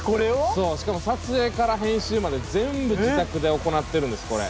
しかも撮影から編集まで全部自宅で行ってるんですこれ。